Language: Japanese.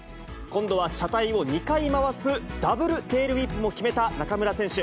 今度は車体を２回回すダブルテールウィップも決めた中村選手。